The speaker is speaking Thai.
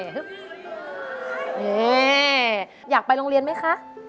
นี่อยากไปโรงเรียนไหมคะ